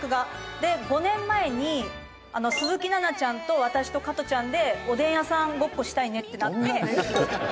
「で、５年前に鈴木奈々ちゃんと私と加トちゃんでおでん屋さんごっこしたいねってなって」